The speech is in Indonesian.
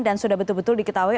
dan sudah betul betul diketahui